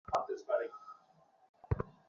তাই তোকে চলে যেতে হবে।